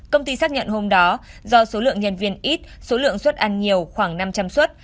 công ty xác nhận hôm đó do số lượng nhân viên ít số lượng xuất ăn nhiều khoảng năm trăm linh suất